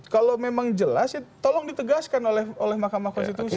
kalau memang jelas ya tolong ditegaskan oleh mahkamah konstitusi